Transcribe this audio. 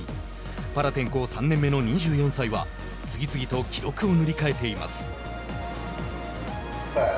パラ転向３年目の２４歳は次々と記録を塗り替えています。